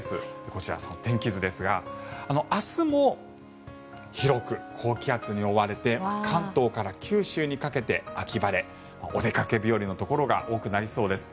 こちら、その天気図ですが明日も広く高気圧に覆われて関東から九州にかけて秋晴れお出かけ日和のところが多くなりそうです。